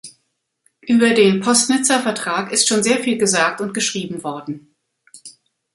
Über den Post-Nizza-Vertrag ist schon sehr viel gesagt und geschrieben worden.